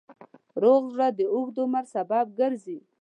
روغ زړه د اوږد عمر سبب ګرځي.